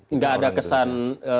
enggak ada kesan